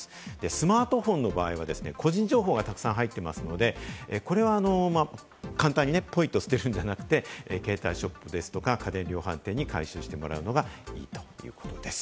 スマートフォンの場合は個人情報がたくさん入っていますので、これは簡単に、ぽいっと捨てるんじゃなくて、携帯ショップですとか家電量販店に回収してもらうのがいいということです。